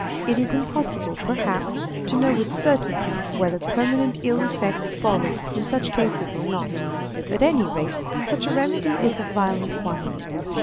It is impossible, perhaps, to know with certainty whether permanent ill effects follow in such cases or not. At any rate, such a remedy is a violent one.